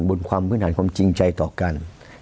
บนความพื้นฐานความจริงใจต่อกัน